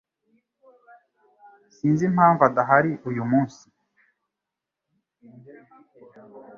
Sinzi impamvu adahari uyu munsi